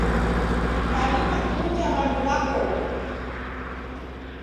Vadima kuw'unja w'andu w'akongo.